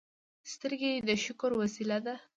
سترګې د شکر وسیله ده